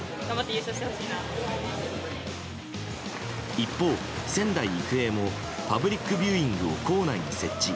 一方、仙台育英もパブリックビューイングを校内に設置。